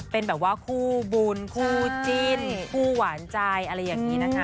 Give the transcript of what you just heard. เป็นแบบว่าคู่บุญคู่จิ้นคู่หวานใจอะไรอย่างนี้นะคะ